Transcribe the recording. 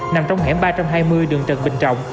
nằm trong hẻm ba trăm hai mươi đường trần bình trọng